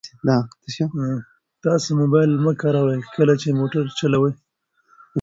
تاسو موبایل مه کاروئ کله چې موټر چلوئ.